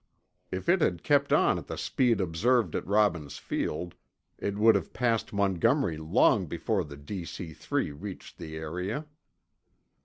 (If it had kept on at the speed observed at Robbins Field, it would have passed Montgomery long before the DC 3 reached the area.)